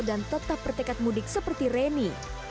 dan tetap bertekad mudik seperti reni